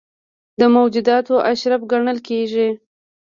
د موجوداتو اشرف ګڼل کېږي.